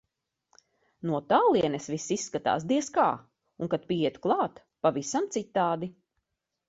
No tālienes viss izskatās, diez kā, un kad pieiet klāt - pavisam citādi.